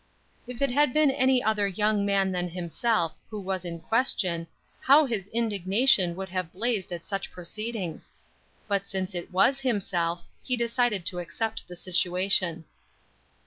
If it had been any other young man than himself, who was in question, how his indignation would have blazed at such proceedings! But since it was himself, he decided to accept the situation.